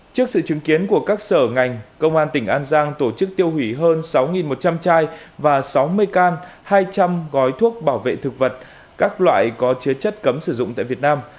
trước sự chứng kiến của các sở ngành công an tỉnh an giang tổ chức tiêu hủy hơn sáu một trăm linh chai và sáu mươi can hai trăm linh gói thuốc bảo vệ thực vật các loại có chứa chất cấm sử dụng tại việt nam